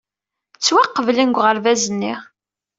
Ttwaqeblen deg uɣerbaz-nni.